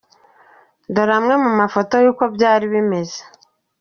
Dore amwe mu mafoto y’uko byari bimeze:.